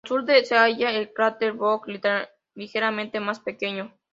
Al sur se halla el cráter Bok, ligeramente más pequeño.